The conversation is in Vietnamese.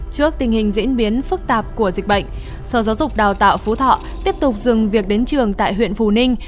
trước tình hình diễn biến phức tạp của dịch bệnh sở giáo dục đào tạo phú thọ tiếp tục dừng việc đến trường tại huyện phù ninh